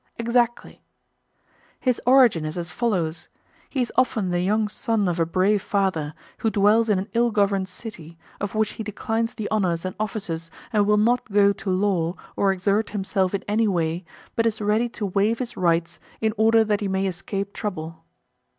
Exactly. His origin is as follows:—He is often the young son of a brave father, who dwells in an ill governed city, of which he declines the honours and offices, and will not go to law, or exert himself in any way, but is ready to waive his rights in order that he may escape trouble.